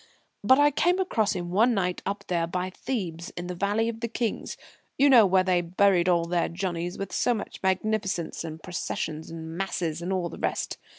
But I came across him one night up there by Thebes in the Valley of the Kings you know, where they buried all their Johnnies with so much magnificence and processions and masses, and all the rest.